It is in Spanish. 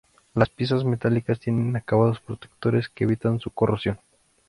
Las piezas metálicas tienen acabados protectores que evitan su corrosión.